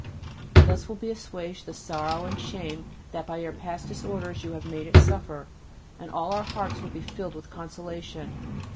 Thus will be assuaged the sorrow and shame that by your past disorders you have made it suffer, and all our hearts will be filled with consolation.